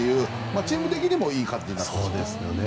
チーム的にもいい感じになっていますね。